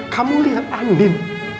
kamu lihat andin